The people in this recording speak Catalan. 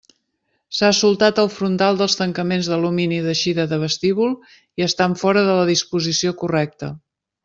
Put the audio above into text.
S'ha soltat el frontal dels tancaments d'alumini d'eixida de vestíbul, i estan fora de la disposició correcta.